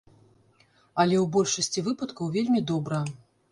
Але ў большасці выпадкаў вельмі добра.